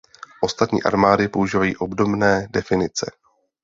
Ostatní armády používají obdobné definice.